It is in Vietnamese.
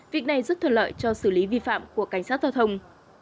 việc này rất thuận lợi cho xử lý vi phạm của cảnh sát giao thông